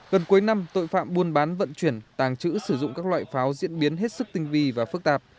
gần cuối năm tội phạm buôn bán vận chuyển tàng trữ sử dụng các loại pháo diễn biến hết sức tinh vi và phức tạp